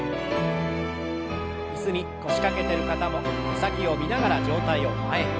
椅子に腰掛けてる方も手先を見ながら上体を前に。